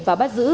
và bắt giữ